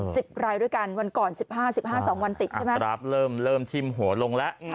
สิบรายด้วยกันวันก่อนสิบห้าสิบห้าสองวันติดใช่ไหมครับเริ่มเริ่มทิ่มหัวลงแล้ว